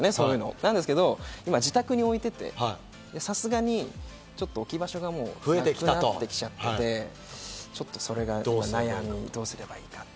なんですけど、今、自宅に置いていて、さすがに置き場所がなくなってきちゃって、今、それが悩み、どうすればいいか。